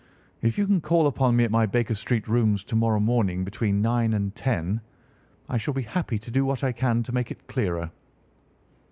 "If you can call upon me at my Baker Street rooms to morrow morning between nine and ten I shall be happy to do what I can to make it clearer.